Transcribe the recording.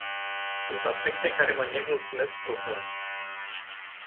Sunt aspecte care mă nemulțumesc profund.